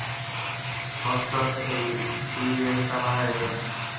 ফ্যাসটস, ওই ডিভিয়েন্টটা মারা গেছে।